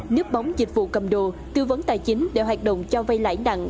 nước bóng dịch vụ cầm đồ tư vấn tài chính đều hoạt động cho vai lãi nặng